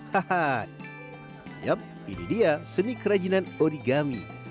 haha yup ini dia seni kerajinan origami